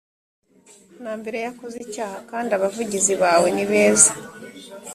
na mbere yakoze icyaha kandi abavugizi bawe nibeza